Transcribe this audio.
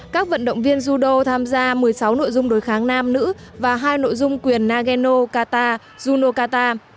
các vận động viên judo tham gia một mươi sáu nội dung đối kháng nam nữ và hai nội dung quyền nageno kata juno kata